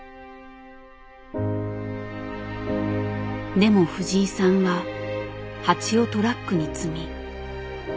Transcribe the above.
でも藤井さんは蜂をトラックに積み北へ向かった。